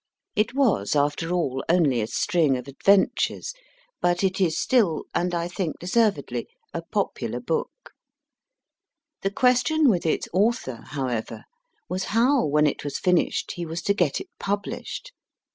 It was, after all, only a string of adventures, COUNT GOTSUCHAKOFF 22 MY FIRST BOOK but it is still, and I think deservedly, a popular book. The question with its author, however, was how, when it was finished, he was to get it published.